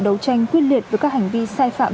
đấu tranh quyết liệt với các hành vi sai phạm